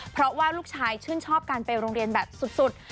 เพราะว่าลูกชายชื่นชอบการไปโรงเรียนแบบสุด